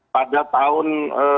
pada tahun dua ribu dua puluh